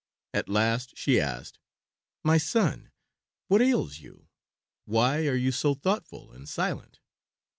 At last she asked, "My son, what ails you? Why are you so thoughtful and silent."